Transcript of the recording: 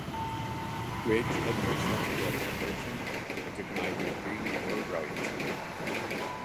Ridge had no formal education and could neither read nor write.